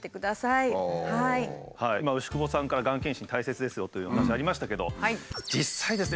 今牛窪さんからがん検診大切ですよというお話ありましたけど実際ですね